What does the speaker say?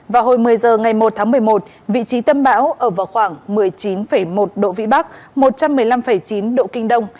vào hồi một mươi giờ ngày một tháng một mươi một vị trí tâm bão ở vào khoảng một mươi chín một độ vĩ bắc một trăm một mươi năm chín độ kinh đông